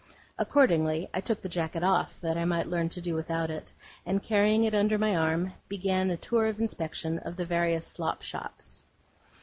Accordingly, I took the jacket off, that I might learn to do without it; and carrying it under my arm, began a tour of inspection of the various slop shops.